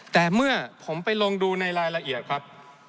แต่เมื่อผมไปลงดูในรายละเอียดครับ